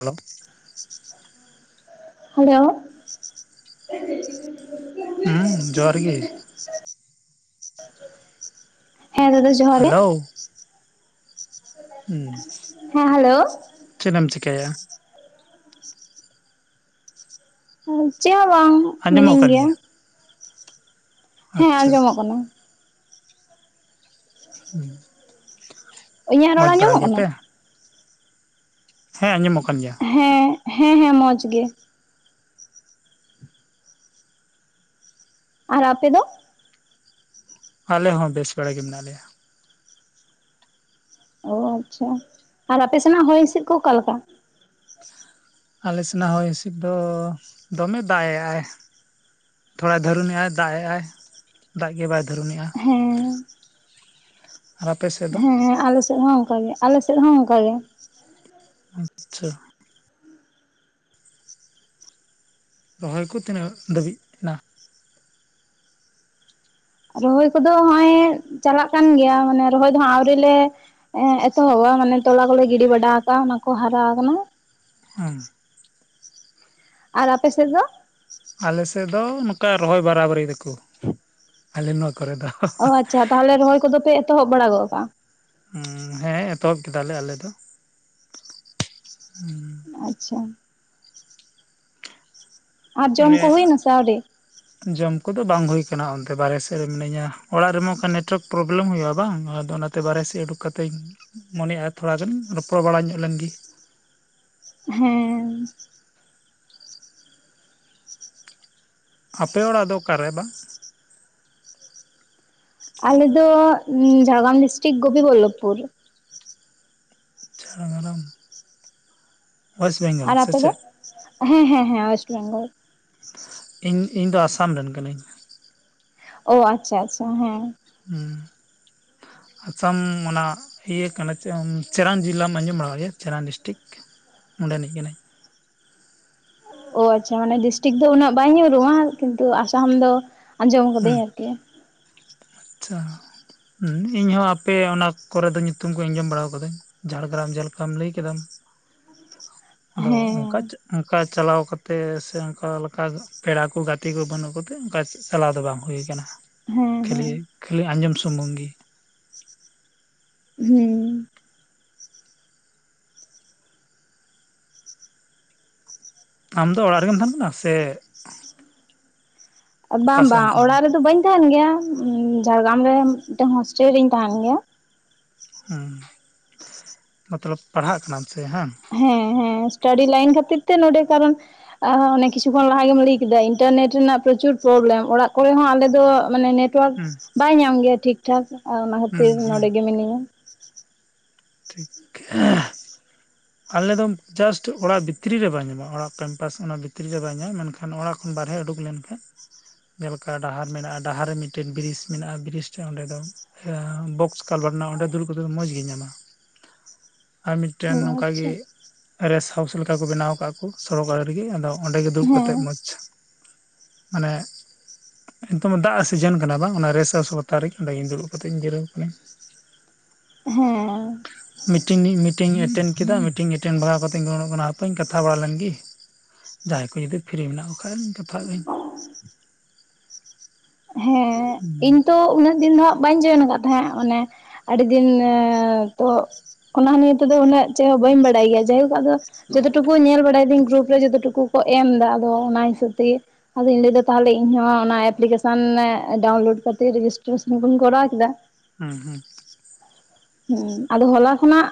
Hello hello ᱦᱩᱸ ᱡᱚᱦᱟᱨ ᱜᱮ ᱦᱮᱸ ᱫᱟᱫᱟ ᱡᱚᱦᱟᱨ ᱜᱮ ᱦᱮᱞᱳ ᱦᱩᱸ ᱦᱮᱸ ᱦᱟᱞᱳ ᱪᱮᱫ ᱮᱢ ᱪᱤᱠᱟᱹᱭᱮᱼᱟ ᱪᱮᱫ ᱦᱚᱸ ᱵᱟᱝ ᱦᱟᱸᱡᱚᱢᱚᱜ ᱠᱟᱱ ᱜᱮᱭᱟ ᱦᱮᱸ ᱟᱪᱪᱷᱟ ᱟᱸᱡᱚᱢᱚᱜ ᱠᱟᱱᱟ ᱦᱩᱸ ᱤᱧᱟᱹᱜ ᱨᱚᱲ ᱢᱚᱸᱡᱽ ᱟᱹᱢᱚᱢᱚᱜ ᱵᱟᱲᱟ ᱠᱟᱱᱟ ᱜᱮᱭᱟᱯᱮ ᱦᱮᱸ ᱟᱸᱡᱚᱢᱚᱜ ᱠᱟᱱ ᱜᱮᱭᱟ ᱦᱮᱸ ᱦᱮᱸ ᱦᱮᱸ ᱢᱚᱡᱽ ᱜᱮ ᱟᱨ ᱟᱯᱮ ᱫᱚ ᱟᱞᱮ ᱦᱚᱸ ᱵᱮᱥ ᱵᱟᱲᱟ ᱜᱮ ᱢᱮᱱᱟᱜ ᱞᱮᱭᱟ ᱚ ᱟᱪᱪᱷᱟ ᱟᱨ ᱟᱯᱮ ᱥᱮᱱᱟᱜ ᱦᱚᱭ ᱦᱤᱥᱤᱫ ᱠᱚ ᱚᱠᱟᱞᱮᱠᱟ ᱟᱞ ᱥᱮᱱᱟᱜ ᱦᱚᱭ ᱦᱤᱥᱤᱫ ᱫᱚ ᱫᱚᱢᱮ ᱫᱟᱜᱼᱮᱼᱟᱭ ᱛᱷᱚᱲᱟ ᱫᱷᱟᱹᱨᱩᱱᱮᱜᱼᱟᱭ ᱫᱟᱜ ᱮᱜ ᱟᱭ ᱫᱟᱜ ᱜᱮ ᱵᱟᱭ ᱫᱷᱟᱨᱩᱱᱮᱜᱼᱟ ᱦᱮᱸ ᱦᱮᱸ ᱦᱮᱸ ᱟᱞᱮᱥᱮᱫ ᱦᱚᱸ ᱚᱝᱠᱟᱜᱮ ᱟᱞᱮᱥᱮᱫ ᱦᱚᱸ ᱚᱝᱠᱟ ᱜᱮ ᱟᱪᱪᱷᱟ ᱨᱚᱦᱚᱭ ᱠᱚ ᱛᱤᱱᱟᱹᱜ ᱫᱷᱟᱹᱵᱤᱡ ᱮᱱᱟ ᱨᱚᱦᱚᱭ ᱠᱚᱫᱚ ᱦᱚᱜᱮᱸᱭ ᱪᱟᱞᱟᱜ ᱠᱟᱱ ᱜᱮᱭᱟ ᱢᱟᱱᱮ ᱨᱚᱦᱚᱭ ᱫᱚ ᱦᱚᱸᱜ ᱟᱹᱣᱨᱤ ᱞᱮ ᱮᱸ ᱮᱛᱚᱦᱚᱵᱟ ᱢᱟᱱᱮ ᱛᱚᱞᱟ ᱠᱚᱞᱮ ᱜᱤᱰᱤ ᱵᱟᱰᱟ ᱟᱠᱟᱫᱟ ᱚᱱᱟ ᱠᱚ ᱦᱟᱨᱟ ᱟᱠᱟᱱᱟ ᱦᱩᱸ ᱟᱨ ᱟᱯ ᱥᱮᱫ ᱫᱚ ᱟᱞᱮᱥᱮᱫ ᱫᱚ ᱱᱚᱚᱱᱠᱟ ᱨᱚᱦᱚᱭ ᱵᱟᱨᱟᱵᱟᱹᱨᱤᱭ ᱫᱟᱠᱚ ᱟᱞᱮ ᱱᱚᱣᱟ ᱠᱚᱨᱮ ᱫᱚ ᱚ ᱟᱪᱪᱷᱟ ᱛᱟᱦᱚᱞᱮ ᱨᱚᱦᱚᱭ ᱠᱚᱫᱚᱯᱮ ᱮᱛᱚᱦᱚᱵ ᱵᱟᱲᱟ ᱜᱚᱫ ᱠᱟᱜᱼᱟ ᱦᱮᱸ ᱮᱛᱚᱦᱚᱵ ᱠᱮᱫᱟᱟᱞᱮ ᱟᱞᱮ ᱫᱚ ᱦᱩᱸ ᱟᱪᱪᱷᱟ ᱟᱨ ᱡᱚᱢ ᱠᱚ ᱚᱱᱮ ᱦᱩᱭ ᱱᱟ ᱥᱮ ᱣᱨᱤ ᱡᱚᱢ ᱠᱚᱫᱚ ᱵᱟᱝ ᱦᱩᱭ ᱟᱠᱟᱱᱟ ᱚᱱᱛᱮ ᱵᱟᱨᱦ ᱥᱮᱫ ᱨᱮ ᱢᱤᱱᱟᱹᱧᱟ ᱚᱲᱟᱜ ᱨᱮᱢᱟ ᱚᱱᱠᱟ ᱱᱮᱴᱚᱣᱟᱨᱠ ᱯᱨᱚᱵᱽᱞᱮᱢ ᱦᱩᱭᱩᱜᱼᱟ ᱵᱟᱝ ᱟᱫᱚ ᱚᱱᱟᱛᱮ ᱵᱟᱨᱮ ᱥᱡ ᱩᱰᱩᱠ ᱠᱟᱛᱮ ᱢᱚᱱᱮᱷᱮᱜᱼᱟ ᱛᱷᱚᱲᱟ ᱜᱟᱱ ᱨᱚᱯᱚᱲ ᱵᱟᱲᱟ ᱧᱚᱜ ᱞᱮᱱᱜᱮ ᱦᱮᱸ ᱟᱯᱮ ᱚᱲᱟᱜ ᱫᱚ ᱚᱠᱟᱨᱮ ᱵᱟ ᱟᱞᱮ ᱫᱚ ᱡᱷᱟᱲᱜᱨᱟᱢ ᱰᱤᱥᱴᱤᱠ ᱜᱯᱤᱵᱚᱞᱞᱚᱵᱯᱩᱨ ᱡᱷᱟᱲᱜᱨᱟᱢ ᱳᱭᱮᱥᱴ ᱵᱮᱝᱜᱚᱞ ᱟᱨ ᱥᱮ ᱟᱯᱮ ᱫᱚ ᱪᱮᱫ ᱦᱮᱸ ᱦᱮᱸ ᱦᱮᱸ ᱳᱭᱮᱥᱴ ᱵᱮᱝᱜᱚᱞ ᱤᱧ ᱤᱧ ᱫᱚ ᱟᱥᱟᱢ ᱨᱮᱱ ᱠᱟᱹᱱᱟᱹᱧ ᱚ ᱟᱪᱪᱷᱟ ᱟᱪᱪᱷᱟ ᱦᱮᱸ ᱦᱩᱸ ᱟᱥᱟᱢ ᱚᱱᱟᱼᱼ ᱤᱭᱟᱹ ᱠᱟᱱᱟ ᱪᱮᱨᱟᱱ ᱡᱮᱞᱟᱢ ᱟᱸᱡᱚᱢ ᱵᱟᱲᱟᱭ ᱟᱠᱟᱫᱟ ᱪᱮᱨᱟᱱ ᱰᱤᱥᱴᱤᱠ ᱚᱸᱰᱮ ᱱᱤᱡ ᱠᱟᱱᱟᱹᱧ ᱚ ᱟᱪᱪᱷᱟ ᱢᱟᱱᱮ ᱰᱤᱥᱴᱤᱠ ᱫᱚ ᱩᱱᱟᱹᱜ ᱵᱟᱭ ᱧᱩᱨᱩᱜᱼᱟ ᱠᱤᱱᱛᱩ ᱟᱥᱟᱢ ᱫᱚ ᱟᱸᱡᱚᱢ ᱦᱩᱸ ᱠᱟᱹᱫᱟᱹᱧ ᱟᱨᱠᱤ [unintelligible] ᱟᱪᱪᱷᱟ ᱦᱩᱸ ᱤᱧ ᱦᱚᱸ ᱟᱯᱮ ᱚᱱᱟ ᱠᱚ ᱨᱮ ᱫᱚ ᱧᱩᱛᱩᱢ ᱠᱚ ᱟᱸᱡᱚᱢ ᱵᱟᱲᱟ ᱟᱠᱟᱫᱟᱹᱧ ᱡᱷᱟᱲᱜᱨᱟᱢ ᱡᱮᱞᱮᱠᱟᱢ ᱞᱟᱹᱭ ᱠᱮᱫᱟᱢ ᱟᱫᱚ ᱚᱱᱠᱟᱼᱼ ᱦᱮᱸ ᱚᱱᱠᱟ ᱪᱟᱞᱟᱣ ᱠᱟᱛᱮ ᱥᱮ ᱚᱱᱠᱟ ᱞᱮᱠᱟ ᱯᱮᱲᱟ ᱠᱚ ᱜᱟᱛᱮ ᱠᱚ ᱵᱟᱹᱱᱩᱜ ᱠᱚᱛᱮ ᱚᱱᱠᱟ ᱪᱟᱞᱟᱣ ᱫᱚ ᱵᱟᱝ ᱦᱩᱭ ᱟᱠᱟᱱᱟ ᱦᱮᱸ ᱠᱷᱟᱹᱞᱤ ᱦᱮᱸ ᱠᱷᱟᱹᱞᱤ ᱟᱸᱡᱚᱢ ᱥᱩᱢᱩᱝ ᱜᱮ ᱦᱩᱸ ᱟᱢ ᱫᱚ ᱚᱲᱟᱜ ᱨᱮᱜᱮᱢ ᱛᱟᱦᱮᱱ ᱠᱟᱱᱟ ᱥᱮᱼᱼ ᱚᱠᱟ ᱵᱟᱝ ᱥᱮᱫ ᱮᱢ ᱵᱟᱝ ᱛᱟᱦᱮᱱ ᱠᱟᱱᱟ ᱚᱲᱟᱜ ᱨᱮ ᱫᱚ ᱵᱟᱹᱧ ᱛᱟᱦᱮᱱ ᱜᱮᱭᱟ ᱡᱷᱟᱲᱜᱨᱟᱢ ᱨᱮ ᱢᱤᱫᱴᱮᱱ ᱦᱳᱥᱴᱮᱞ ᱨᱮᱧ ᱛᱟᱦᱮᱱ ᱜᱮᱭᱟ ᱦᱮᱸ ᱢᱚᱛᱞᱚᱵ ᱯᱟᱲᱦᱟᱜ ᱠᱟᱱᱟᱢ ᱥᱮ ᱦᱮᱸ [unintelligible] ᱦᱮᱸ ᱦᱮᱸ ᱥᱴᱟᱰᱤ ᱞᱟᱭᱤᱱ ᱠᱷᱟᱹᱛᱤᱨ ᱛᱮ ᱱᱚᱰᱮ ᱠᱟᱨᱚᱱᱼᱼ ᱟᱨ ᱦᱚᱸ ᱚᱱᱮᱠ ᱠᱤᱪᱷᱩ ᱠᱷᱚᱱ ᱞᱟᱦᱟ ᱜᱮᱢ ᱞᱟᱹᱭ ᱠᱮᱫᱟ ᱤᱱᱴᱟᱨᱱᱮᱴ ᱨᱮᱱᱟᱜ ᱯᱨᱚᱪᱩᱨ ᱯᱨᱚᱵᱽᱞᱮᱢ ᱚᱲᱟᱜ ᱠᱚᱨᱮ ᱦᱚᱸ ᱟᱞᱮ ᱫᱚᱼᱼ ᱢᱟᱱᱮ ᱱᱮᱴᱣᱟᱨᱠ ᱦᱩᱸ ᱵᱟᱭ ᱧᱟᱢ ᱜᱮᱭᱟ ᱴᱷᱤᱠ ᱴᱷᱟᱠ ᱚᱱᱟ ᱦᱩᱸ ᱠᱷᱟᱹᱛᱤᱨ ᱦᱩᱸ ᱱᱚᱰᱮ ᱜᱮ ᱢᱤᱱᱟᱹᱧᱟ [unintelligible] ᱟᱞᱮᱫ ᱫᱚ ᱡᱟᱥᱴ ᱚᱲᱟᱜ ᱵᱷᱤᱛᱨᱤ ᱨᱮ ᱵᱟᱭ ᱧᱟᱢᱟ ᱚᱲᱟᱜ ᱠᱮᱢᱯᱟᱥ ᱚᱱᱟ ᱵᱷᱤᱛᱨᱤ ᱨᱮ ᱵᱟᱭ ᱧᱟᱢᱟ ᱢᱮᱱ ᱠᱷᱟᱱ ᱠᱷᱟᱱ ᱚᱲᱟᱜ ᱠᱷᱚᱱ ᱵᱟᱨᱦᱮ ᱩᱰᱩᱠ ᱞᱮᱱ ᱠᱷᱟᱱ ᱡᱮᱞᱮᱠᱟ ᱰᱟᱦᱟᱨ ᱢᱮᱱᱟᱜᱼᱟ ᱰᱟᱦᱟᱨ ᱨᱮ ᱢᱤᱫᱴᱮᱱ ᱵᱨᱤᱡᱽ ᱢᱮᱱᱟᱜᱼᱟ ᱵᱨᱤᱡ [unintelligible] ᱚᱸᱰᱮ ᱫᱚᱼᱼ ᱦᱮᱸ ᱵᱚᱠᱥ ᱠᱟᱞᱵᱟᱨ ᱨᱮᱱᱟᱜ ᱚᱸᱰᱮ ᱫᱩᱲᱩᱵ ᱠᱟᱛᱮ ᱢᱚᱸᱡᱽᱜᱤ ᱧᱟᱢᱟ ᱟᱨ ᱚ ᱢᱤᱫᱴᱮᱱ ᱱᱚᱝᱠᱟ ᱟᱪᱪᱷᱟ ᱜᱮ ᱨᱮᱥᱴ ᱦᱟᱣᱩᱥ ᱞᱮᱠᱟ ᱠᱚ ᱵᱮᱱᱟᱣ ᱟᱠᱟᱫ ᱠᱚ [unintelligible] ᱨᱮ ᱜᱮ ᱟᱫᱚ ᱚᱸᱰᱮ ᱜᱮ ᱫᱩᱲᱩᱵ ᱠᱟᱛᱮᱜ ᱦᱮᱸ ᱢᱚᱸᱡᱽ ᱢᱟᱱᱮ [unintelligible] ᱫᱟᱜ ᱥᱤᱡᱮᱱ ᱠᱟᱱᱟ ᱵᱟᱝ ᱚᱱᱟ ᱨᱮᱥᱥᱯᱛᱛᱟ ᱨᱮᱜ ᱚᱸᱰᱮᱜᱮᱧ ᱫᱩᱲᱩᱵ ᱠᱟᱛᱮᱧ ᱡᱤᱨᱟᱹᱣ ᱟᱠᱟᱱᱟ ᱦᱮᱸ ᱢᱤᱴᱤᱝ ᱢᱤᱴᱤᱝ ᱮᱴᱮᱱᱰ ᱠᱮᱫᱟ ᱢᱤᱴᱤᱝ ᱮᱴᱮᱱᱰ ᱵᱟᱲᱟ ᱠᱟᱛᱮᱧ ᱜᱚᱲᱚᱜ ᱠᱟᱱᱟ ᱦᱟᱯᱮᱧ ᱠᱟᱛᱷᱟ ᱵᱟᱲᱟ ᱞᱮᱱ ᱜᱮ ᱡᱟᱦᱟᱸᱭ ᱠᱚ ᱡᱩᱫᱤ ᱯᱷᱤᱨᱨᱤ ᱢᱮᱱᱟᱜ ᱠᱚ ᱠᱷᱟᱱ ᱪᱷᱟᱯᱟᱭ ᱭᱟᱹᱧ ᱦᱮᱸ ᱤᱧ ᱛᱚ ᱩᱱᱟᱹᱜ ᱫᱤᱱ ᱫᱚ ᱦᱟᱸᱜ ᱵᱟᱹᱧ ᱡᱚᱭᱚᱱ ᱟᱠᱟᱫ ᱛᱟᱦᱮᱸᱜ ᱢᱟᱱᱮ ᱟᱹᱰᱤ ᱫᱤᱱ ᱛᱚ ᱚᱱᱟ ᱱᱤᱭᱮ ᱛᱮ ᱫᱚ ᱩᱱᱟᱹᱜ ᱪᱮᱫ ᱦᱚᱸ ᱵᱟᱹᱧ ᱵᱟᱲᱟᱭ ᱜᱮᱭᱟ ᱡᱟᱭᱦᱳᱠ ᱟᱫᱚ ᱡᱚᱛᱚ ᱴᱩᱠᱩ ᱧᱮᱞ ᱵᱟᱲᱟᱭ ᱫᱟᱹᱧ ᱜᱨᱩᱯ ᱨᱮ ᱡᱚᱛᱚ ᱴᱩᱠᱩ ᱠᱚ ᱮᱢ ᱮᱫᱟ ᱟᱫᱚ ᱚᱱᱟ ᱦᱤᱥᱟᱹᱵᱽ ᱛᱮᱜᱮ ᱟᱫᱚᱧ ᱞᱟᱹᱭ ᱮᱫᱟ ᱛᱟᱦᱚᱞᱮᱧ ᱤᱧ ᱦᱚᱸ ᱚᱱᱟ ᱮᱯᱞᱤᱠᱮᱥᱟᱱ ᱥᱟᱵ ᱢᱮ ᱰᱟᱣᱩᱱᱞᱳᱰ ᱠᱟᱛᱮ ᱨᱮᱡᱤᱥᱴᱨᱮᱥᱚᱱ ᱵᱚᱱ ᱠᱚᱨᱟᱣ ᱠᱮᱫᱟ ᱦᱮᱸ ᱦᱮᱸ ᱦᱩᱸ ᱟᱫᱚ ᱦᱚᱞᱟ ᱠᱷᱚᱱᱟᱜ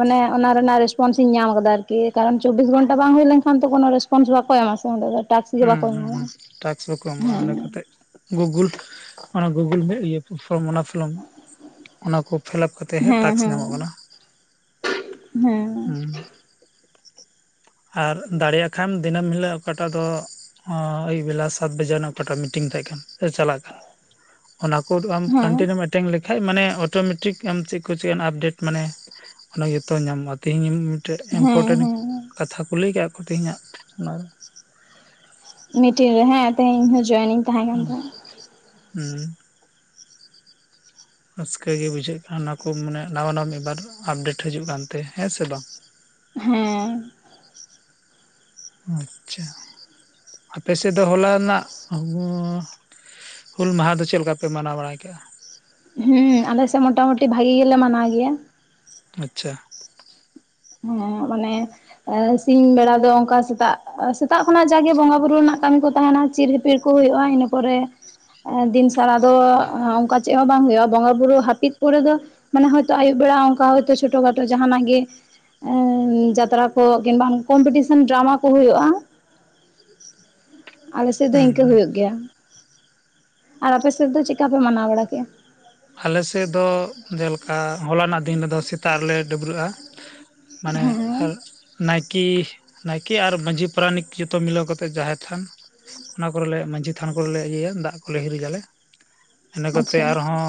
ᱢᱟᱱᱮ ᱚᱱᱟ ᱨᱮᱱᱟᱜ ᱨᱮᱥᱯᱚᱱᱥ ᱤᱧ ᱧᱟᱢ ᱟᱠᱟᱫᱟ ᱟᱨᱠᱤ ᱠᱤ ᱠᱟᱨᱚᱱ ᱪᱚᱵᱵᱤᱥ ᱜᱚᱱᱴᱟ ᱵᱟᱝ ᱦᱩᱭ ᱞᱮᱱᱠᱷᱟᱱ ᱛᱚ ᱠᱚᱱ ᱨᱮᱥᱯᱚᱱᱥ ᱵᱟᱠᱚ ᱮᱢᱟ ᱥᱮ ᱚᱸᱰᱮ ᱫᱚ ᱴᱟᱠᱥ ᱜᱮ ᱦᱩᱸ ᱵᱟᱠᱚ ᱦᱩᱸ ᱮᱢᱟᱢᱟ ᱦᱩᱸ ᱴᱨᱟᱹᱠᱥ ᱦᱚᱸᱠᱚ ᱮᱢᱚᱜ ᱟᱞᱮ ᱦᱮᱸ ᱠᱚᱛᱮᱜ ᱜᱩᱜᱩᱞ ᱚᱱᱟ ᱜᱩᱜᱩᱞ ᱛᱮ ᱤᱭᱟᱹ ᱯᱷᱚᱨᱚᱢ ᱚᱱᱟ ᱯᱷᱚᱨᱚᱢ ᱚᱱᱟ ᱠᱚ ᱯᱷᱤᱞᱟᱯ ᱠᱟᱛᱮᱼᱼ ᱛᱮᱦᱮᱸ ᱦᱮᱸ ᱦᱮᱸ ᱴᱟᱠᱥ ᱧᱟᱢᱚᱜ ᱠᱟᱱᱟ ᱦᱮᱸ ᱦᱩᱸ ᱟᱨ ᱫᱟᱲᱮᱭᱟᱜ ᱠᱷᱟᱱ ᱫᱤᱱᱟᱹᱢ ᱦᱤᱞᱳᱜ ᱚᱠᱟᱴᱟᱜ ᱫᱚ᱾ ᱟᱹᱭᱩᱵ ᱵᱮᱞᱟ ᱥᱟᱛ ᱵᱟᱡᱟᱜ ᱱᱟᱜ ᱚᱠᱟᱴᱟᱜ ᱢᱤᱴᱤᱝ ᱛᱟᱦᱮᱸ ᱠᱟᱱ ᱥᱮ ᱪᱟᱞᱟᱜ ᱠᱟᱱ ᱚᱱᱟ ᱠᱚ ᱟᱢ ᱦᱮᱸ ᱠᱟᱱᱴᱤᱱᱤᱭᱩᱢ ᱮᱴᱮᱱ ᱞᱮᱠᱷᱟᱡ ᱢᱟᱱᱮ ᱚᱴᱳᱢᱮᱴᱤᱠ ᱟᱢ ᱪᱮᱫ ᱠᱚ ᱪᱮᱭᱟᱱ ᱟᱯᱰᱮᱴ ᱢᱟᱱᱮ ᱚᱱᱟ ᱡᱚᱛᱚ ᱧᱟᱢᱚᱜᱼᱟ ᱛᱮᱦᱤᱧ ᱢᱤᱫᱴᱮᱱ ᱦᱮᱸ ᱤᱢᱯᱚᱴᱮᱱᱴ ᱦᱮᱸ ᱠᱟᱛᱷᱟ ᱠᱚ ᱞᱟᱹᱭ ᱟᱠᱟᱫ ᱠᱚ ᱛᱮᱦᱮᱧᱟᱜ ᱚᱱᱟ ᱢᱤᱴᱤᱝ ᱨᱮ ᱦᱮᱸ ᱛᱮᱦᱮᱧ ᱦᱚᱸ ᱡᱚᱭᱮᱱᱤᱧ ᱛᱟᱦᱮᱸ ᱠᱟᱱ ᱦᱩᱸ ᱛᱟᱦᱮᱸᱫ ᱦᱩᱸ᱾ ᱨᱟᱹᱥᱠᱟᱹᱜ ᱜᱮ ᱵᱩᱡᱷᱟᱹᱜ ᱠᱟᱱᱟ ᱚᱱᱟ ᱠᱚ ᱢᱟᱱᱮ ᱱᱟᱣᱟ ᱱᱟᱣᱟ ᱢᱤᱫᱵᱟᱨ ᱟᱯᱰᱮᱴ ᱦᱤᱡᱩᱜ ᱠᱟᱱᱛᱮ ᱦᱮᱸ ᱥᱮ ᱵᱟᱝ? ᱦᱮᱸ᱾ ᱟᱪᱪᱷᱟ ᱟᱯᱮ ᱥᱮᱫ ᱫᱚ ᱦᱚᱞᱟ ᱨᱮᱱᱟᱜ ᱦᱩᱞ ᱢᱟᱦᱟ ᱫᱚ ᱪᱮᱞᱠᱟ ᱯᱮ ᱢᱟᱱᱟᱣ ᱵᱟᱲᱟᱭ ᱠᱮᱜᱼᱟ? ᱦᱩᱸ ᱟᱞᱮᱥᱮᱫ ᱢᱚᱴᱟ ᱢᱩᱴᱤ ᱵᱷᱟᱜᱤ ᱜᱮᱞᱮ ᱢᱟᱱᱟᱣ ᱜᱮᱭᱟ᱾ ᱟᱪᱪᱷᱟ᱾ ᱦᱮᱸ ᱢᱟᱱᱮ ᱮᱸ ᱥᱤᱧ ᱵᱮᱲᱟ ᱫᱚ ᱚᱱᱠᱟ ᱥᱮᱛᱟᱜ ᱥᱮᱛᱟᱜ ᱠᱷᱚᱱᱟᱜ ᱡᱟᱜᱮ ᱵᱚᱸᱜᱟ ᱵᱩᱨᱩ ᱨᱮᱱᱟᱜ ᱠᱟᱹᱢᱤ ᱠᱚ ᱛᱟᱦᱮᱱᱟ ᱪᱤᱨ ᱦᱤᱯᱤᱨ ᱠᱚ ᱦᱩᱭᱩᱜᱼᱟ ᱤᱱᱟᱹ ᱯᱚᱨᱮ ᱮᱸ ᱫᱤᱱ ᱥᱟᱨᱟ ᱫᱚ ᱚᱱᱠᱟ ᱪᱮᱫ ᱦᱚᱸ ᱵᱟᱝ ᱦᱩᱭᱩᱜᱼᱟ ᱵᱚᱸᱜᱟ ᱵᱩᱨᱩ ᱦᱟᱹᱯᱤᱫ ᱯᱚᱨᱮ ᱫᱚ ᱢᱟᱱᱮ ᱦᱚᱭᱛᱳ ᱟᱭᱩᱵ ᱵᱮᱲᱟ ᱚᱱᱠᱟ ᱦᱚᱭᱛᱳ ᱪᱷᱳᱴᱳ ᱠᱷᱟᱴᱳ ᱡᱟᱦᱟᱱᱟᱜ ᱜᱮ ᱮᱸ ᱡᱟᱛᱨᱟ ᱠᱚ ᱠᱤᱢᱵᱟ ᱠᱚᱢᱯᱤᱴᱤᱥᱮᱱ ᱰᱨᱟᱢᱟ ᱠᱚ ᱦᱩᱭᱩᱜᱼᱟ᱾ ᱟᱞᱮ ᱥᱮᱫ ᱫᱚ ᱦᱩᱸ ᱤᱱᱠᱟᱹ ᱦᱩᱸ ᱦᱩᱭᱩᱜ ᱜᱮᱭᱟ᱾ ᱟᱨ ᱟᱯᱮ ᱥᱮᱫ ᱫᱚ ᱪᱤᱠᱟ ᱯᱮ ᱢᱟᱱᱟᱣ ᱵᱟᱲᱟ ᱠᱮᱜᱼᱟ᱾ ᱟᱞᱮ ᱥᱮᱫ ᱫᱚ ᱡᱮᱞᱮᱠᱟ ᱦᱚᱞᱟᱱᱟᱜ ᱫᱤᱱ ᱨᱮᱫᱚ ᱥᱮᱛᱟᱜ ᱨᱮᱞᱮ ᱰᱟᱹᱵᱽᱨᱟᱹᱜᱼᱟ᱾ ᱢᱟᱱᱮ ᱟᱨ ᱦᱮᱸ ᱱᱟᱭᱤᱴ ᱠᱤ ᱱᱟᱭᱠᱮ ᱟᱨ ᱢᱟᱺᱡᱷᱤ ᱯᱟᱨᱟᱱᱤᱠ ᱡᱚᱛᱚ ᱢᱤᱞᱟᱹᱣ ᱠᱟᱛᱮ ᱡᱟᱦᱮᱨ ᱛᱷᱟᱱ ᱚᱱᱟ ᱠᱚᱨᱮᱞᱮ ᱢᱟᱺᱡᱷᱤ ᱛᱷᱟᱱ ᱠᱚᱨᱮᱞᱮ ᱤᱭᱟᱹᱭᱟ ᱫᱟᱜ ᱠᱚᱞᱮ ᱦᱤᱨᱤᱡᱟᱞᱮ ᱤᱱᱟᱹ ᱠᱟᱛᱮᱜ ᱟᱪᱪᱷᱟ ᱟᱨᱦᱚᱸ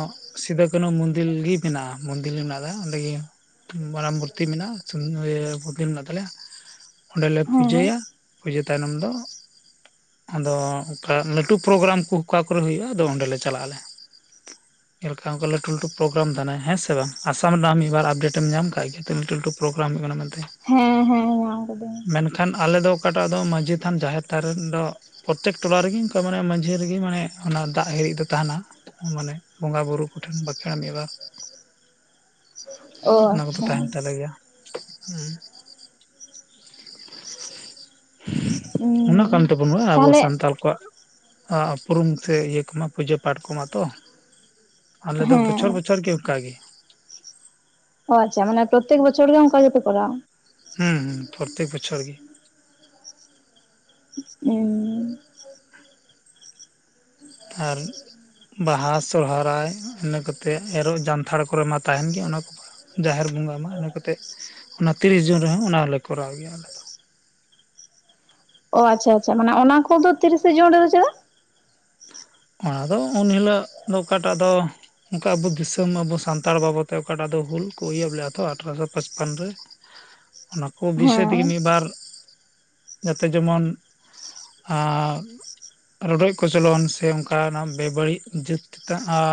ᱥᱤᱫᱩ ᱠᱟᱱᱩ ᱢᱚᱱᱫᱤᱞ ᱜᱤ ᱢᱮᱱᱟᱜᱼᱟ ᱢᱚᱱᱫᱤᱞ ᱢᱮᱱᱟᱜᱼᱟ ᱚᱸᱰᱮ ᱜᱮ ᱢᱟᱨᱟᱢ ᱢᱩᱨᱛᱤ ᱢᱮᱱᱟᱜᱼᱟ [unintelligible] ᱢᱮᱱᱟᱜ ᱛᱟᱞᱮᱭᱟ ᱚᱱᱰᱮᱞᱮ ᱦᱮᱸ ᱯᱩᱡᱟᱹᱭᱟ ᱯᱩᱡᱟᱹ ᱛᱟᱭᱱᱚᱢ ᱫᱚ ᱟᱫᱚ ᱚᱱᱠᱟ ᱞᱟᱹᱴᱩ ᱯᱨᱳᱜᱨᱟᱢ ᱠᱚ ᱚᱠᱟ ᱠᱚᱨᱮ ᱦᱩᱭᱩᱜᱼᱟ ᱟᱫᱚ ᱚᱸᱰᱮ ᱞᱮ ᱪᱟᱞᱟᱜ ᱟᱞᱮ᱾ ᱡᱮᱞᱠᱟ ᱚᱱᱠᱟ ᱞᱟᱹᱴᱩ ᱞᱟᱹᱴᱩ ᱯᱨᱳᱜᱨᱟᱢ ᱛᱟᱦᱮᱱᱟ ᱦᱮᱸᱥᱮ ᱵᱟᱝ, ᱟᱥᱟᱢ ᱨᱮᱱᱟᱜ ᱢᱤᱫ ᱵᱟᱨ ᱟᱯᱰᱮᱴ ᱮᱢ ᱧᱟᱢ ᱠᱟᱜ ᱜᱮᱭᱟ ᱛᱚ ᱞᱟᱹᱴᱩ ᱞᱟᱹᱴᱩ ᱯᱨᱳᱜᱨᱟᱢ ᱦᱩᱭᱩᱜ ᱠᱟᱱᱟ ᱢᱮᱱᱛᱮ᱾ ᱦᱮᱸ ᱦᱮᱸ ᱧᱟᱢ ᱟᱠᱟᱫᱟᱹᱧ᱾ ᱢᱮᱱᱠᱷᱟᱱ ᱟᱞᱮᱫᱚ ᱚᱠᱟᱴᱟᱜ ᱫᱚ ᱢᱟᱺᱡᱷᱤ ᱛᱷᱟᱱ ᱡᱟᱦᱮᱨ ᱛᱷᱟᱱ ᱨᱮ ᱫᱚ ᱯᱨᱚᱛᱮᱠ ᱴᱚᱞᱟ ᱨᱮᱜᱮ ᱚᱱᱠᱟ ᱢᱟᱱᱮ ᱢᱟᱺᱡᱷᱤ ᱨᱮᱜᱮ ᱢᱟᱱᱮ ᱚᱱᱟ ᱫᱟᱜ ᱦᱤᱨᱤᱡ ᱫᱚ ᱛᱟᱦᱮᱱᱟ ᱢᱟᱱᱮ᱾ ᱵᱚᱸᱜᱟ ᱵᱩᱨᱩ ᱠᱚᱴᱷᱮᱱ ᱵᱟᱠᱷᱮᱲᱟ ᱢᱤᱫ ᱵᱟᱨ᱾ ᱚ ᱚᱱᱟ ᱠᱚᱫᱚ ᱟᱪᱪᱷᱟ ᱛᱟᱦᱮᱱ ᱛᱟᱞᱮ ᱜᱮᱭᱟ᱾ ᱦᱩᱸ᱾ ᱚᱱᱟ ᱠᱟᱱ ᱩᱸ ᱛᱟᱵᱚᱱᱟ ᱟᱵᱚ ᱛᱟᱦᱚᱞᱮ ᱥᱟᱱᱛᱟᱞ ᱠᱚᱣᱟᱜ ᱩᱯᱨᱩᱢ ᱛᱮ ᱤᱭᱟᱹ ᱠᱚᱢᱟ ᱯᱩᱡᱟᱹ ᱯᱟᱴ ᱠᱚᱢᱟ ᱛᱚ᱾ ᱟᱞᱮ ᱫᱚ ᱦᱮᱸ ᱵᱚᱪᱷᱚᱨ ᱵᱚᱪᱷᱚᱨ ᱜᱮ ᱚᱱᱠᱟ ᱜᱮ᱾ ᱚᱸ ᱟᱪᱪᱷᱟ ᱢᱟᱱᱮ ᱯᱨᱚᱛᱮᱠ ᱵᱚᱪᱷᱚᱨ ᱜᱮ ᱚᱱᱠᱟ ᱜᱮᱯᱮ ᱠᱚᱨᱟᱣᱟ? ᱦᱮᱸ ᱦᱩᱸ ᱯᱨᱚᱛᱮᱠ ᱵᱚᱪᱷᱚᱨ ᱜᱮ᱾ ᱩᱸ ᱟᱨ ᱵᱟᱦᱟ ᱥᱚᱦᱚᱨᱟᱭ ᱤᱱᱟᱹ ᱠᱟᱛᱮᱫ ᱮᱨᱚᱜ ᱡᱟᱱᱛᱷᱟᱲ ᱠᱚᱨᱮ ᱢᱟ ᱛᱟᱦᱮᱱ ᱜᱮᱭᱟ ᱚᱱᱟ ᱠᱚ᱾ ᱡᱟᱦᱮᱨ ᱵᱚᱸᱜᱟ ᱢᱟ ᱤᱱᱟᱹ ᱠᱟᱛᱮᱜᱯ ᱚᱱᱟ ᱛᱤᱨᱤᱥ ᱡᱩᱱ ᱨᱮᱦᱚᱸ ᱚᱱᱟ ᱦᱚᱸᱞᱮ ᱠᱚᱨᱟᱣ ᱜᱮᱭᱟ ᱟᱞᱮ᱾ ᱫᱚ ᱚ ᱟᱪᱪᱷᱟ ᱟᱪᱪᱷᱟ ᱢᱟᱱᱮ ᱚᱱᱟ ᱠᱚᱫᱚ ᱛᱤᱨᱤᱥᱮ ᱡᱩᱱ ᱨᱮᱫᱚ ᱪᱮᱫᱟᱜ? ᱚᱱᱟᱫᱚ ᱩᱱ ᱦᱤᱞᱟᱹᱜ ᱫᱚ ᱚᱠᱟᱴᱟᱜ ᱫᱚ ᱚᱱᱠᱟ ᱟᱵᱚ ᱫᱤᱥᱟᱹᱢ ᱟᱵᱚ ᱥᱟᱱᱛᱟᱲ ᱵᱟᱵᱚ ᱛᱮ ᱚᱠᱟᱴᱟᱜ ᱫᱚ ᱦᱩᱞ ᱠᱚ ᱤᱭᱟᱹ ᱵᱟᱞᱮ ᱟᱛᱚ ᱟᱴᱷᱚᱨᱚᱥᱚ ᱯᱟᱸᱪᱯᱚᱱ ᱨᱮ᱾ ᱚᱱᱟ ᱠᱚ ᱵᱤᱥᱚᱭ ᱛᱮᱜᱮ ᱦᱮᱸ ᱢᱤᱫ ᱵᱟᱨ ᱡᱟᱛᱮ ᱡᱮᱢᱚᱱ ᱟ ᱨᱚᱰᱚᱡ ᱠᱚᱪᱞᱚᱱ ᱥᱮ ᱟᱝᱠᱟ ᱠᱟᱱ ᱱᱟᱜ ᱵᱮ-ᱵᱟᱹᱲᱤᱡ [unintelligible]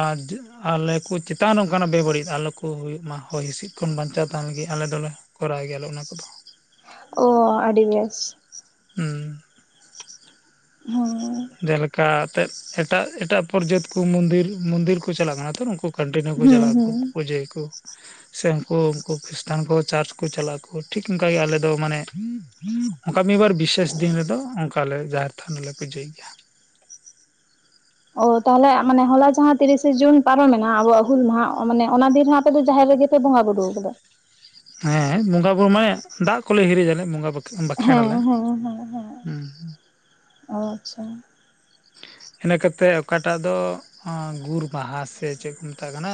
ᱟᱞᱮ ᱠᱚ ᱪᱮᱛᱟᱱ ᱨᱮ ᱚᱱᱠᱟᱱᱟᱜ ᱵᱮ-ᱵᱟᱹᱲᱤᱡ ᱟᱞᱚ ᱠᱚ ᱦᱩᱭᱩᱜ ᱢᱟ᱾ ᱦᱚᱭ ᱦᱤᱸᱥᱤᱫ ᱠᱷᱚᱱ ᱵᱟᱧᱪᱟᱣ ᱛᱟᱦᱮᱱ ᱞᱟᱹᱜᱮᱫ ᱟᱞᱮ ᱫᱚᱞᱮ ᱠᱚᱨᱟᱣ ᱜᱮᱭᱟᱞᱮ ᱚᱱᱟ ᱠᱚᱫᱚ᱾ ᱚ ᱟᱹᱰᱤ ᱵᱮᱥ᱾ ᱦᱩᱸ᱾ ᱦᱮᱸ ᱡᱮᱞᱮᱠᱟ ᱟᱛᱮᱫ ᱮᱴᱟᱜ ᱮᱴᱟᱜ ᱯᱚᱨ ᱡᱟᱹᱛ ᱠᱚ ᱢᱚᱱᱫᱤᱨ ᱢᱚᱱᱫᱤᱨ ᱠᱚ ᱪᱟᱞᱟᱜ ᱠᱟᱱᱟ ᱛᱚ ᱱᱠᱩ ᱠᱚᱴᱤᱱᱤᱭᱩ ᱠᱚ ᱦᱩᱸ ᱪᱟᱞᱟᱜ ᱟᱠᱚ, ᱦᱩᱸ ᱯᱩᱡᱟᱹᱭᱟᱹ ᱠᱚ᱾ ᱥᱮ ᱩᱱᱠᱩ ᱩᱱᱠᱩ ᱠᱷᱨᱤᱥᱴᱟᱱ ᱠᱚ ᱪᱟᱨᱪ ᱠᱚ ᱪᱟᱞᱟᱜᱼᱟᱠ, ᱴᱷᱤᱠ ᱚᱱᱠ ᱜᱮ ᱟᱞᱮ ᱫᱚ ᱢᱟᱱᱮ ᱚᱱᱠᱟ ᱢᱤᱫ ᱵᱟᱨ ᱵᱤᱥᱮᱥ ᱫᱤᱱ ᱨᱮᱫᱚ ᱚᱱᱠᱟᱞᱮ ᱡᱟᱦᱮᱨ ᱛᱷᱟᱱ ᱨᱮᱞᱮ ᱯᱩᱡᱟᱹᱭ ᱜᱮᱭᱟ᱾ ᱚ ᱛᱟᱦᱚᱞᱮ ᱢᱟᱱᱮ ᱦᱚᱞᱟ ᱡᱟᱦᱟᱸ ᱛᱤᱨᱤᱥᱟ ᱡᱩᱱ ᱯᱟᱨᱚᱢᱮᱱᱟ ᱟᱵᱚᱣᱟᱜ ᱦᱩᱞ ᱢᱟᱦᱟ ᱢᱟᱱᱮ ᱚᱱᱟ ᱫᱤᱱ ᱨᱮ ᱟᱯᱮ ᱫᱚ ᱡᱟᱦᱮᱨ ᱨᱮᱜᱮ ᱯᱮ ᱵᱚᱸᱜᱟ ᱵᱩᱨᱩᱣ ᱠᱟᱫᱟ? ᱦᱮᱸ ᱵᱚᱸᱜᱟ ᱵᱩᱨᱩ ᱢᱟᱱᱮ ᱫᱟᱜ ᱠᱚᱞᱮ ᱦᱤᱨᱤᱡᱟᱞᱮ ᱵᱚᱸᱜᱟ ᱵᱟᱷ ᱦᱮᱸ ᱦᱮᱸ ᱦᱮᱸ ᱦᱮᱸ ᱚ ᱟᱪᱪᱷᱟ᱾ ᱤᱱᱟᱹ ᱠᱟᱛᱮᱫ ᱚᱠᱟᱴᱟᱜ ᱫᱚ ᱲᱸᱜᱩᱨ ᱢᱟᱦᱟ ᱥᱮ ᱪᱮᱫ ᱠᱚ ᱢᱮᱛᱟᱜ ᱠᱟᱱᱟ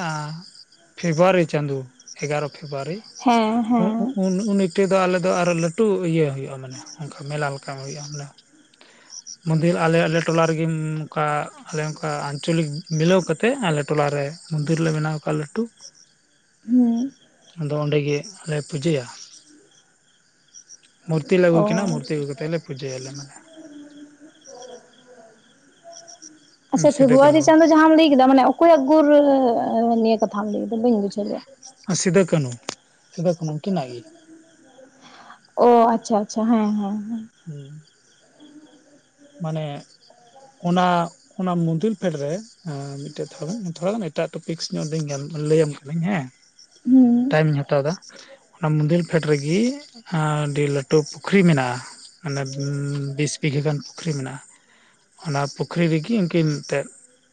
ᱯᱷᱮᱵᱨᱩᱣᱟᱨᱤ ᱪᱟᱸᱫᱩ ᱮᱜᱟᱨᱚ ᱯᱷᱮᱵᱨᱩᱣᱟᱨᱤ ᱦᱮᱸ ᱦᱮᱸ ᱩᱸ-ᱩᱸ-ᱩᱸᱱ-ᱩᱱᱤ᱾ ᱛᱮᱫᱚ ᱟᱞᱮ ᱫᱚ ᱟᱨᱚ ᱞᱟᱹᱴᱩ ᱤᱭᱟᱹ ᱦᱩᱭᱩᱜᱼᱟ ᱢᱟᱱᱮ ᱚᱱᱠᱟ ᱢᱮᱞᱟ ᱞᱮᱠᱟ ᱦᱩᱭᱩᱜᱼᱟ ᱢᱟᱱᱮ᱾ ᱢᱚᱱᱫᱤᱨ ᱟᱞᱮ ᱟᱞᱮ ᱴᱚᱞᱟ ᱨᱮᱜᱮ ᱱᱚᱠᱟ ᱟᱞᱮ ᱚᱱᱠᱟ ᱟᱧᱪᱚᱞᱤᱠ ᱢᱤᱞᱟᱹᱣ ᱠᱟᱛᱮ ᱟᱞᱮ ᱴᱚᱞᱟᱨᱮ ᱢᱚᱱᱫᱤᱨ ᱞᱮ ᱵᱮᱱᱟᱣ ᱟᱠᱟᱜᱼᱟ ᱞᱟᱹᱴᱩ᱾ ᱦᱮᱸ᱾ ᱟᱫᱚ ᱚᱸᱰᱮ ᱜᱮ ᱟᱞᱮ ᱯᱩᱡᱟᱹᱭᱟ᱾ ᱢᱩᱨᱛᱤ ᱞᱮ ᱟᱹᱜᱩᱭ ᱠᱤᱱᱟ ᱚ ᱢᱩᱨᱛᱤ ᱟᱪᱪᱷᱟ ᱟᱹᱜᱩ ᱠᱟᱛᱮᱜ ᱞᱮ ᱯᱩᱡᱟᱹᱭᱟᱞᱮ ᱢᱟᱱᱮ᱾ ᱟᱪᱪᱷᱟ ᱥᱤᱫᱟᱹ ᱯᱷᱮᱵᱨᱩᱣᱟᱨᱤ ᱠᱟᱹᱱᱩ ᱪᱟᱸᱫᱚ ᱡᱟᱦᱟᱸᱢ ᱞᱟᱹᱭ ᱠᱮᱫᱟ ᱢᱟᱱᱮ ᱚᱠᱚᱭ ᱜᱩᱨᱨᱟᱹ ᱱᱤᱭᱟᱹ ᱠᱟᱛᱷᱟᱢ ᱞᱟᱹᱭᱫᱟ ᱵᱟᱹᱧ ᱵᱩᱡᱷᱟᱹᱣ ᱞᱮ-ᱟ? ᱥᱤᱫᱟᱹ ᱠᱟᱱᱩ, ᱥᱤᱫᱟᱹ ᱠᱟᱱᱩ ᱩᱱᱠᱤᱱᱟᱹᱜ ᱜᱮ᱾ ᱚ ᱟᱪᱪᱷᱟ ᱟᱪᱪᱷᱟ ᱦᱮᱸ ᱦᱮᱸ ᱦᱮ᱾ ᱦᱩᱸ᱾ ᱢᱟᱱᱮ ᱚᱱᱟ ᱚᱱᱟ ᱢᱩᱱᱫᱤᱞ ᱯᱷᱮᱰ ᱨᱮ ᱮᱸ ᱢᱤᱫᱴᱮᱡ ᱛᱷᱚᱲᱟ ᱜᱟᱱ ᱛᱷᱚᱲᱟ ᱜᱟᱱ ᱮᱴᱟᱜ ᱴᱚᱯᱤᱠᱥ ᱧᱚᱜ ᱞᱟᱹᱭᱟᱢ ᱠᱟᱱᱟᱹᱧ ᱦᱮᱸ᱾ ᱦᱩᱸ ᱴᱟᱭᱤᱢᱤᱧ ᱦᱟᱛᱟᱣ ᱫᱟ, ᱚᱱᱟ ᱢᱚᱱᱫᱤᱞ ᱯᱷᱮᱰ ᱨᱮᱜᱮ ᱟᱹᱰᱤ ᱞᱟᱹᱴᱩ ᱯᱩᱠᱷᱨᱤ ᱢᱮᱱᱟᱜᱼᱟ ᱢᱟᱱᱮ ᱵᱤᱥ ᱵᱤᱜᱷᱟᱹ ᱜᱟᱱ᱾ ᱠᱷᱨᱤ ᱢᱮᱱᱟᱜᱼᱟ, ᱚᱱᱟ ᱯᱩᱠᱷᱨᱤ ᱨᱮᱜᱮ ᱩᱱᱠᱤᱱ ᱢᱤᱫᱴᱮᱡ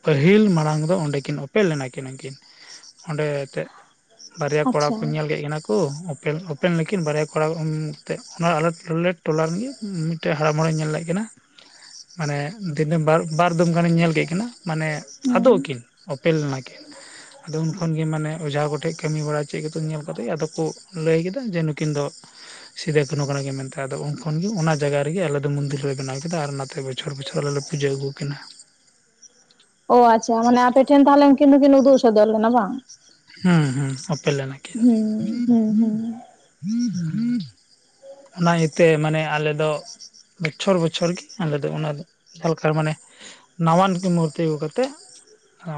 ᱯᱟᱹᱦᱤᱞ ᱢᱟᱲᱟᱝ ᱫᱚ ᱚᱸᱰᱮᱠᱤᱱ ᱳᱯᱮᱞ ᱞᱮᱱᱟᱠᱤᱱ ᱩᱱᱠᱤᱱ, ᱚᱸᱰᱮ ᱮᱛᱮᱫ᱾ ᱵᱟᱨᱭᱟ ᱠᱚᱲᱟ ᱟᱪᱪᱷᱟ ᱠᱚ ᱧᱮᱞ ᱠᱮᱫ ᱠᱤᱱᱟ ᱠᱚ᱾ ᱠᱚ ᱳᱯᱮᱞ ᱳᱯᱮᱞ ᱱᱟᱠᱤᱱ ᱵᱟᱨᱭᱟ ᱠᱚᱲᱟ ᱛᱮᱫ ᱚᱱᱟ ᱟᱞᱮ ᱴᱚᱞᱮᱴ ᱴᱚᱞᱟ ᱨᱮᱱ ᱜᱮ᱾ ᱴᱮᱡ ᱦᱟᱲᱟᱢ ᱦᱚᱲᱮ ᱧᱮᱞ ᱞᱮᱫ ᱠᱤᱱᱟ᱾ ᱢᱟᱱᱮ ᱫᱤᱱᱟᱹᱢ ᱵᱟᱨ ᱵᱟᱨ ᱫᱚᱢ ᱜᱟᱱᱮ ᱧᱮᱞ ᱠᱮᱫ ᱠᱤᱱᱟ ᱢᱟᱱᱮ ᱦᱩᱸ ᱟᱫᱚᱜ ᱟᱠᱤᱱ, ᱳᱯᱮᱞ ᱞᱮᱱᱟᱠᱤᱱ᱾ ᱟᱫᱚ ᱩᱱ ᱠᱷᱚᱱ ᱜᱮ ᱢᱟᱱᱮ ᱚᱡᱷᱟ ᱠᱚᱴᱷᱮᱡ ᱠᱟᱹᱢᱤ ᱵᱟᱲᱟ ᱪᱮᱫ ᱠᱚᱪᱚᱝ ᱧᱮᱞ ᱠᱟᱛᱮᱡ ᱟᱫᱚ ᱠᱚ ᱞᱟᱹᱭ ᱠᱮᱫᱟ ᱡᱮ ᱱᱩᱠᱤᱱ ᱫᱚ ᱥᱤᱫᱟᱹ ᱠᱟᱱᱩ ᱠᱟᱱᱟ ᱠᱤᱱ ᱢᱮᱱᱛᱮ ᱟᱫᱚ ᱩᱱ ᱠᱷᱚᱱ ᱜᱮ ᱚᱱᱟ ᱡᱟᱭᱜᱟ ᱨᱮᱜᱮ ᱟᱞᱮᱚᱫᱚ ᱢᱚᱱᱫᱤᱨ ᱞᱮ ᱵᱮᱱᱟᱣ ᱠᱮᱫᱟ ᱟᱨ ᱚᱱᱟᱛᱮ ᱵᱚᱪᱷᱚᱨ ᱵᱚᱪᱷᱚᱨ ᱟᱞᱮᱞᱮ ᱯᱩᱡᱟᱹ ᱟᱹᱜᱩᱣᱟᱠᱤᱱᱟ᱾ ᱚ ᱟᱪᱪᱷᱟ ᱢᱟᱱᱮ ᱟᱯᱮᱴᱷᱮᱱ ᱛᱟᱦᱚᱞᱮ ᱩᱱᱠᱤᱱ ᱫᱩᱠᱤᱱ ᱩᱫᱩᱜ ᱥᱚᱫᱚᱨ ᱞᱮᱱᱟ ᱵᱟᱝ? ᱦᱩᱸ ᱦᱩᱸ ᱳᱯᱮᱞᱮᱱᱟ ᱠᱤᱱ ᱦᱩᱸ ᱦᱩᱸ ᱦᱩᱸ ᱚᱱᱟ ᱤᱭᱟᱹᱛᱮ ᱢᱟᱱᱮ ᱟᱞᱮ ᱫᱚ ᱵᱚᱪᱷᱚᱨ ᱵᱚᱪᱷᱚᱨ ᱜᱮ ᱟᱞᱮ ᱫᱚ ᱚᱱᱟ ᱫᱚ ᱡᱟᱦᱟᱸᱞᱮᱠᱟ ᱨᱮ ᱢᱟᱱᱮ ᱱᱟᱣᱟᱱᱠᱤ ᱢᱩᱨᱛᱤ ᱟᱹᱜᱩ ᱠᱟᱛᱮᱫ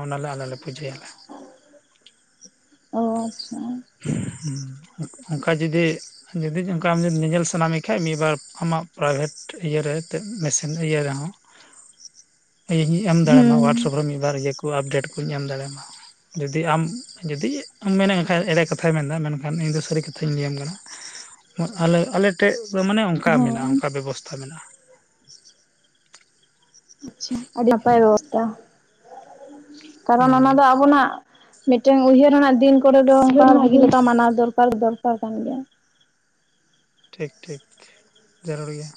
ᱚᱱᱟᱞᱮ ᱟᱞ ᱞᱮ ᱯᱩᱡᱟᱹᱭᱟᱞᱮ [inaudible] ᱚ ᱟᱪᱪᱷᱟ ᱚᱝᱠᱟ ᱡᱩᱫᱤ ᱡᱩᱫᱤ ᱚᱱᱠᱟ ᱟᱢ ᱡᱩᱤ ᱧᱮᱧᱮᱞ ᱥᱟᱱᱟ ᱢᱮ ᱠᱷᱟᱱᱡ ᱢᱤᱫ ᱵᱟᱨ ᱟᱢᱟᱜ ᱯᱨᱟᱭᱵᱷᱮᱴ ᱤᱭᱟᱹᱨᱮ ᱛᱮᱫ ᱢᱮᱥᱤᱱ ᱤᱭᱟᱹ ᱨᱮᱦᱚᱸ ᱤᱧ ᱦᱸᱧ ᱮᱢ ᱫᱟᱲᱮᱭᱟᱢᱟ ᱦᱩᱸ ᱦᱚᱣᱟᱴᱥᱮᱯ ᱨᱮ ᱢᱤᱫ ᱵᱟᱨ ᱤᱭᱟᱹ ᱠᱚ ᱟᱯᱰᱮᱴ ᱠᱩᱧ ᱮᱢ ᱫᱟᱲᱮᱭᱟᱢᱟ ᱡᱩᱫᱤ ᱟᱢ ᱡᱩᱫᱤ ᱢᱮᱱᱮᱫ ᱠᱷᱟᱱᱡ ᱮᱲᱮ ᱠᱟᱛᱷᱟᱭ ᱢᱮᱱ ᱮᱫᱟ ᱢᱮᱱᱠᱷᱟᱱ ᱤᱧ ᱫᱚ ᱥᱟᱨᱤ ᱠᱟᱛᱷᱟᱧ ᱞᱤᱭᱟᱢ ᱠᱟᱱᱟ ᱟᱞᱮ ᱟᱞᱮᱮᱴᱷᱮᱡ ᱫᱚ ᱢᱟᱱᱮ ᱚᱱᱠᱟ ᱦᱮᱸ ᱢᱮᱱᱟᱜᱼᱟ ᱚᱱᱠᱟ ᱵᱮᱵᱚᱥᱛᱷᱟ ᱢᱮᱱᱟᱜᱼᱟ ᱟᱪᱷᱟ ᱟᱹᱰᱤ ᱱᱟᱯᱟᱭ ᱵᱮᱵᱚᱥᱛᱟ ᱠᱟᱨᱚᱱ ᱚᱱᱟ ᱦᱩᱸ ᱫᱚ ᱟᱵᱚᱱᱟᱜ ᱢᱤᱫᱴᱮᱱ ᱩᱭᱦᱟᱹᱨ ᱟᱱᱟ ᱫᱤᱱ ᱠᱚᱨᱮ ᱫᱚ ᱚᱱᱠᱟ ᱵᱷᱟᱹᱜᱤ ᱞᱮᱠᱟ ᱢᱟᱱᱟᱣ ᱫᱚᱨᱠᱟᱨ ᱫᱚᱨᱠᱟᱨ ᱠᱟᱱ ᱜᱮᱭᱟ ᱴᱷᱤᱠ ᱴᱷᱤᱠ ᱡᱟᱹᱨᱩᱲ ᱜᱮᱭᱟ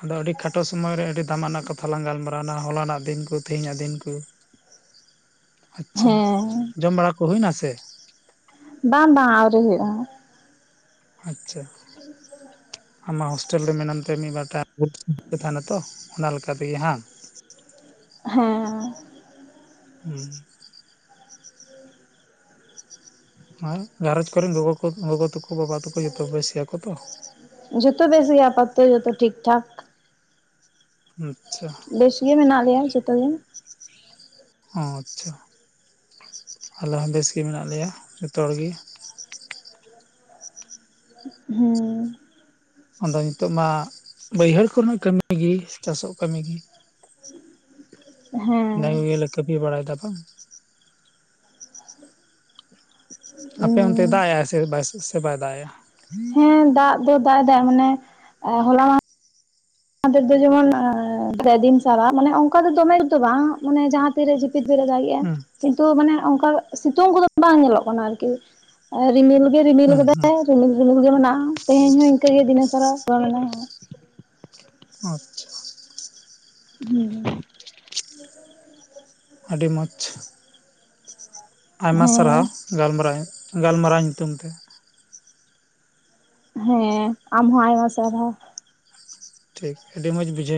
ᱟᱫᱚ ᱟᱹᱰᱤ ᱠᱷᱟᱴᱚ ᱥᱚᱢᱚᱭ ᱨᱮ ᱟᱹᱰᱤ ᱫᱟᱢᱟᱱᱟᱜ ᱠᱟᱛᱷᱟ ᱞᱟᱝ ᱜᱟᱞᱢᱟᱨᱟᱣ ᱮᱱᱟ ᱦᱚᱞᱟᱱᱟᱜ ᱫᱤᱱ ᱠᱚ ᱛᱮᱦᱮᱤᱧᱟᱜ ᱫᱤᱱ ᱠᱚ ᱟᱪᱪᱷᱟ ᱦᱮᱸ ᱡᱚᱢ ᱵᱟᱲᱟ ᱠᱚ ᱦᱩᱭᱱᱟ ᱥᱮ ᱵᱟᱝ ᱵᱟᱝ ᱟᱣᱨᱤ ᱦᱩᱭᱩᱜᱼᱟ ᱟᱪᱪᱷᱟ ᱟᱢ ᱢᱟ ᱦᱳᱥᱴᱮᱞ ᱨᱮ ᱢᱮᱱᱟᱢ ᱛᱮ ᱢᱤᱫᱵᱟᱨ ᱴ [unintelligible] ᱛᱚ ᱚᱱᱟᱞᱮᱠᱟ ᱛᱮᱜᱮ ᱦᱟᱝ ᱦᱮᱸ ᱦᱩᱸ ᱜᱷᱟᱨᱚᱡᱽ ᱠᱨᱮᱱ ᱜᱚᱜᱚ ᱠᱚ ᱜᱚᱜᱚ ᱛᱟᱠᱚ ᱵᱟᱵᱟ ᱛᱟᱠᱚ ᱡᱚᱛᱚ ᱵᱮᱥ ᱜᱮᱭᱟ ᱠᱚᱛᱚ ᱡᱩᱛᱚ ᱵᱮᱥ ᱜᱮᱭᱟᱠᱚ ᱡᱚᱛᱚ ᱴᱷᱤᱠ ᱴᱷᱟᱠ ᱟᱪᱪᱷᱟ ᱵᱮᱥ ᱜᱮ ᱢᱮᱱᱟᱜ ᱞᱮᱭᱟ ᱡᱚᱛᱚ ᱜᱮ ᱚ ᱟᱪᱪᱷᱟ ᱟᱞᱮ ᱦᱚᱸ ᱵᱮᱥ ᱜᱮ ᱢᱮᱱᱟᱜ ᱞᱮᱭᱟ ᱡᱚᱛᱚ ᱦᱚᱲ ᱜᱤ ᱦᱩᱸ ᱟᱫᱚ ᱱᱤᱛᱚᱜ ᱢᱟ ᱵᱟᱹᱭᱦᱟᱹᱲ ᱠᱚᱨᱮᱱᱟᱜ ᱠᱟᱹᱢᱤ ᱜᱤ ᱪᱟᱥᱚᱜ ᱠᱟᱹᱢᱤᱜᱤ ᱦᱮᱸ [unintelligible] ᱠᱟᱢᱤ ᱵᱟᱲᱟᱭ ᱫᱟᱠᱚ ᱟᱯᱮ ᱚᱱᱛᱮᱭ ᱫᱟᱜ ᱮ ᱟ ᱥᱮ ᱥᱮ ᱵᱟᱭ ᱫᱟᱜ ᱮᱼᱟ ᱦᱮᱸ ᱫᱟᱜ ᱫᱚ ᱫᱟᱜ ᱮᱫᱟᱭ ᱢᱟᱱᱮ ᱦᱚᱞᱟ ᱢᱟ ᱦᱚᱞᱟ ᱢᱟᱱᱫᱷᱮᱨ ᱫᱚ ᱡᱮᱢᱚᱱ ᱯᱮ ᱫᱤᱱ ᱪᱷᱟᱨᱟ ᱢᱟᱱᱮ ᱚᱱᱠᱟ ᱫᱚ ᱫᱚᱢᱮ ᱡᱳᱨ ᱫᱚ ᱵᱟᱝ ᱢᱟᱱᱮ ᱡᱟᱦᱟᱸ ᱛᱤᱨᱮ [unintelligible] ᱫᱟᱜᱮᱜᱼᱟ ᱦᱩᱸ ᱠᱤᱱᱛᱩ ᱢᱟᱱᱮ ᱚᱱᱠᱟ ᱥᱤᱛᱩᱝ ᱠᱚᱫᱚ ᱵᱟᱝ ᱧᱮᱞᱚᱜ ᱠᱟᱱᱟ ᱟᱨᱠᱤ ᱟ ᱨᱤᱢᱤᱞ ᱜᱮ ᱨᱤᱢᱤᱞ ᱦᱩᱸ ᱦᱩᱸ ᱟᱠᱟᱫᱟᱭ ᱨᱤᱢᱤᱞ ᱨᱤᱢᱤᱞ ᱜᱮ ᱢᱮᱱᱟᱜᱼᱟ ᱛᱮᱦᱮᱧ ᱦᱚᱸ ᱤᱱᱠᱟᱹᱜ ᱜᱮ ᱫᱱ ᱮ ᱯᱚᱨᱚᱢ ᱢᱮᱱᱟᱜᱼᱟᱱᱟ ᱟᱪᱪᱷᱟ ᱦᱩᱸ ᱟᱹᱰᱤ ᱢᱚᱡᱽ ᱟᱭᱢᱟ ᱥᱟᱨᱦᱟᱣ ᱦᱮᱸ ᱜᱟᱞᱢᱟᱨᱟᱣ ᱜᱟᱞᱢᱟᱨᱟᱣ ᱧᱩᱛᱩᱢ ᱛᱮ ᱦᱮᱸ ᱟᱢᱦᱸ ᱟᱭᱢᱟ ᱥᱟᱨᱦᱟᱣ ᱴᱷᱤᱠ ᱟᱹᱰᱤ ᱢᱚᱡᱽ ᱵᱩᱡᱷᱟᱹᱣ